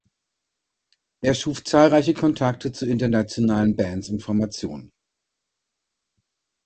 Er schuf zahlreiche Kontakte zu internationalen Bands und Formationen.